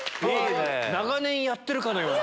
長年やってるかのように。